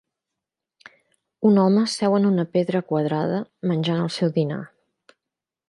Un home seu en una pedra quadrada menjant el seu dinar